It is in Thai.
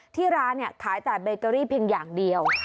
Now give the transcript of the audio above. ที่ร้านเนี่ยขายแต่เบเกอรี่เพียงอย่างเดียว